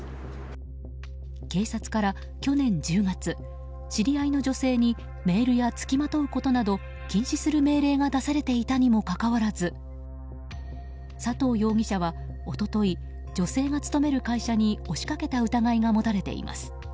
警察から去年１０月、知り合いの女性にメールや付きまとうことなど禁止する命令が出されていたにもかかわらず佐藤容疑者は一昨日女性が勤める会社に押しかけた疑いが持たれています。